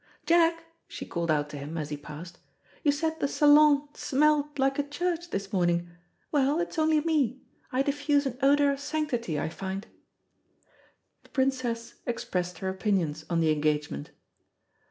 "Jack," she called out to him as he passed, "you said the salon smelled like a church this morning. Well, it's only me. I diffuse an odour of sanctity, I find." The Princess expressed her opinions on the engagement.